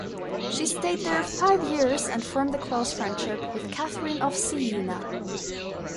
She stayed there five years and formed a close friendship with Catherine of Siena.